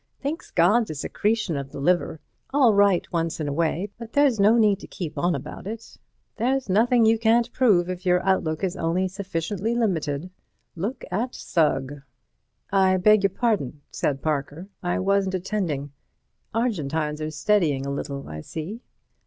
Thinks God's a secretion of the liver—all right once in a way, but there's no need to keep on about it. There's nothing you can't prove if your outlook is only sufficiently limited. Look at Sugg." "I beg your pardon," said Parker, "I wasn't attending. Argentines are steadying a little, I see."